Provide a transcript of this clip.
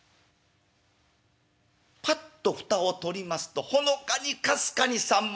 パッと蓋を取りますとほのかにかすかにさんまの香り。